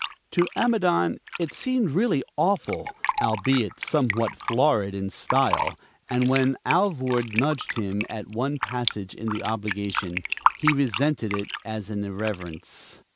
To Amidon it seemed really awful albeit somewhat florid in style; and when Alvord nudged him at one passage in the obligation, he resented it as an irreverence.